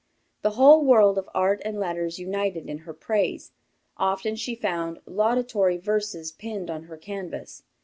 The whole world of art and letters united in her praise. Often she found laudatory verses pinned on her canvas.